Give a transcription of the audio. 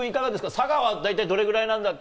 佐賀は大体どれぐらいなんだっけ？